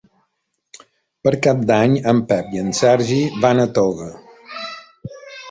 Per Cap d'Any en Pep i en Sergi van a Toga.